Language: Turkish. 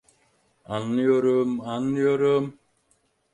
Anlıyorum, anlıyorum…